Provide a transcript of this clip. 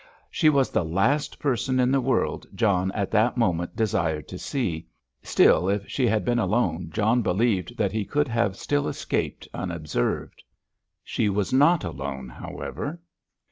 She was the last person in the world John at that moment desired to see, still if she had been alone John believed that he could have still escaped unobserved. She was not alone, however.